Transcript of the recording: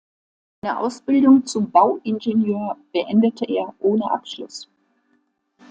Eine Ausbildung zum Bauingenieur beendete er ohne Abschluss.